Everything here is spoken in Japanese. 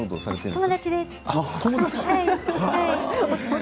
友達です。